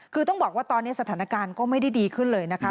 คือต้องบอกว่าตอนนี้สถานการณ์ก็ไม่ได้ดีขึ้นเลยนะคะ